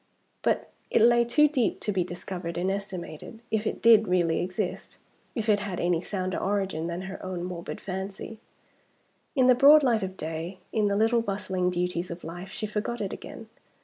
But it lay too deep to be discovered and estimated, if it did really exist if it had any sounder origin than her own morbid fancy. In the broad light of day, in the little bustling duties of life, she forgot it again.